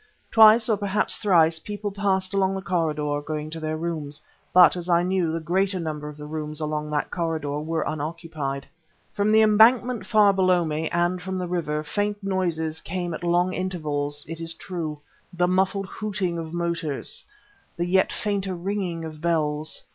Twice or perhaps thrice people passed along the corridor, going to their rooms; but, as I knew, the greater number of the rooms along that corridor were unoccupied. From the Embankment far below me, and from the river, faint noises came at long intervals it is true; the muffled hooting of motors, and yet fainter ringing of bells.